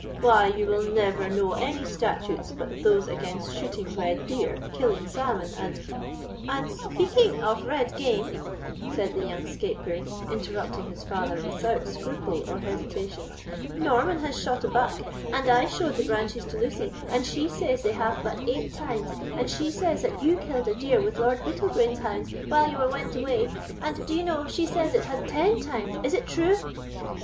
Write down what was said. Why, you will never know any statutes but those against shooting red deer, killing salmon, and——" "And speaking of red game," said the young scapegrace, interrupting his father without scruple or hesitation, "Norman has shot a buck, and I showed the branches to Lucy, and she says they have but eight tynes; and she says that you killed a deer with Lord Bittlebrains's hounds, when you were west away, and, do you know, she says it had ten tynes; is it true?"